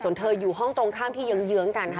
ส่วนเธออยู่ห้องตรงข้ามที่เยื้องกันค่ะ